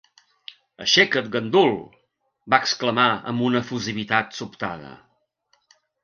"Aixeca't, gandul!" va exclamar amb una efusivitat sobtada.